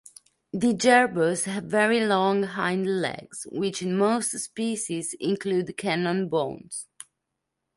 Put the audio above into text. The jerboas have very long hind legs which, in most species, include cannon bones.